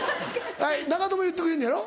長友言ってくれるのやろ？